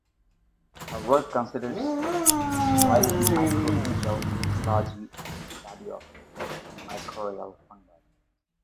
Her work considers soil microbial ecology and the study of mycorrhizal fungi.